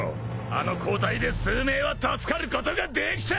あの抗体で数名は助かることができた！